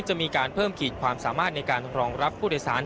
จะมีการเพิ่มขีดความสามารถในการรองรับผู้โดยสาร